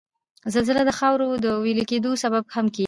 زلزله د د خاورو د ویلي کېدو سبب هم کیږي